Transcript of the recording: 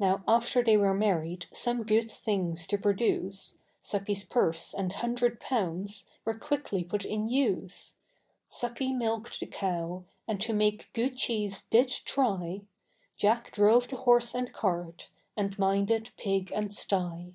Now after they were married, Some good things to produce, Suckyâs purse and hundred pounds Were quickly put in use; Sucky milkâd the cow, And to make good cheese did try, Jack drove the horse and cart, And minded pig and sty.